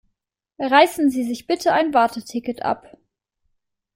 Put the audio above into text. Reißen Sie sich bitte ein Warteticket ab.